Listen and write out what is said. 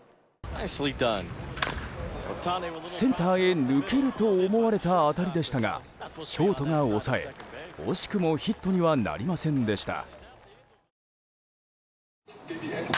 センターへ抜けると思われた当たりでしたがショートが抑え、惜しくもヒットにはなりませんでした。